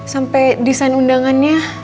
sampai desain undangannya